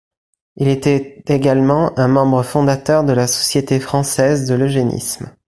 Il était également un membre fondateur de la Société française de l'eugénisme.